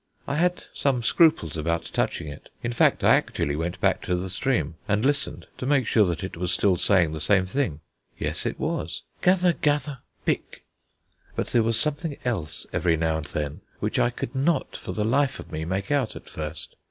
I had some scruples about touching it. In fact, I actually went back to the spring and listened, to make sure that it was still saying the same thing. Yes, it was: "Gather gather, pick." But there was something else every now and then which I could not for the life of me make out at first.